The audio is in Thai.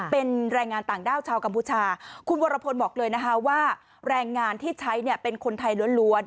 เป็นแรงงานต่างด้าวชาวกัมพูชาคุณวรพลบอกเลยนะคะว่าแรงงานที่ใช้เนี่ยเป็นคนไทยล้วน